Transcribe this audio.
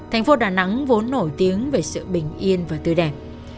thành phố đà nẵng vốn nổi tiếng về sự bình yên và tươi đẹp